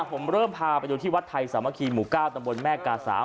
ผมเริ่มพาไปดูที่วัดไทยสามัคคีหมู่๙ตำบลแม่กาสา